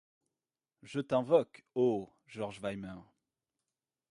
Je t'invoque, ô George Weimer !